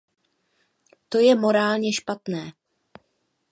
To je morálně špatné.